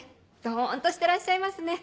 ドンとしてらっしゃいますね。